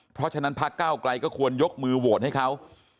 เพราะฉะนั้นพักเก้าไกลก็ควรยกมือโหวตให้เขา